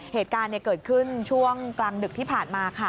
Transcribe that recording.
เหตุการณ์เกิดขึ้นช่วงกลางดึกที่ผ่านมาค่ะ